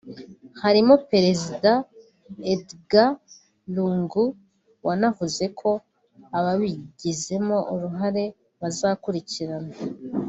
harimo Perezida Edgad Lungu wanavuze ko ababigizemo uruhare bazakurikiranwa